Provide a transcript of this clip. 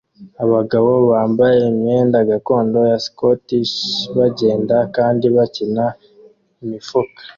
Abagabo bambaye imyenda gakondo ya Scottish bagenda kandi bakina imifuka